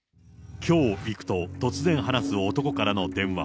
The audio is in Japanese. きょう行くと、突然話す男からの電話。